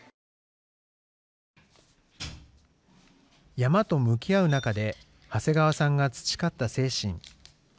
山と向き合う中で長谷川さんが培った精神。